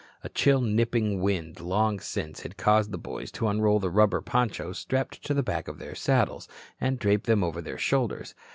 A chill nipping wind long since had caused the boys to unroll the rubber ponchos strapped to the back of their saddles, and drape them over their shoulders.